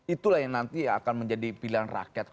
itulah yang nanti akan menjadi pilihan rakyat